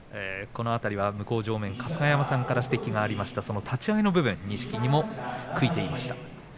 この辺りは向正面の春日山さんから指摘がありました立ち合いの部分に錦木も悔いていました。